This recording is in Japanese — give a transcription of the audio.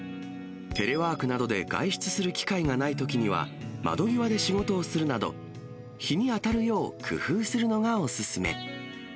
テレワークなどで外出する機会がないときには、窓際で仕事をするなど、日に当たるよう、工夫するのがお勧め。